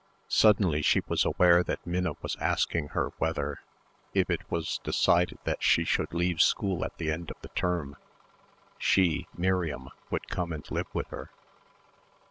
Suddenly she was aware that Minna was asking her whether, if it was decided that she should leave school at the end of the term, she, Miriam, would come and live with her.